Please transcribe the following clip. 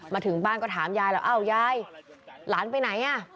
มาถึงบ้านก็ถามยายแล้วอ้าวยายหลานไปไหนอ่ะ